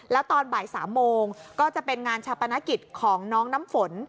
แล้วตอนบ่าย๓โมงก็จะเป็นงานชาปนกิจของน้องน้ำฝน